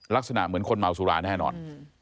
ลักษณะเหมือนคนเมาสุราแน่นอน